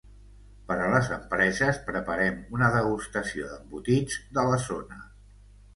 Per a les empreses, preparem una degustació d'embotits de la zona.